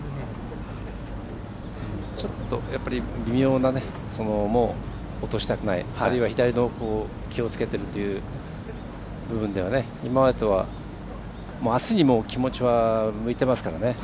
微妙な落としたくないあるいは左を気をつけているというところでは今までとは、あすにもう気持ちは向いてますから。